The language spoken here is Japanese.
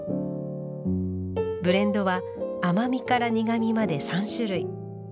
ブレンドは甘みから苦みまで３種類。